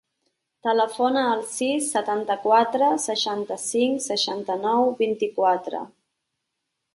Telefona al sis, setanta-quatre, seixanta-cinc, seixanta-nou, vint-i-quatre.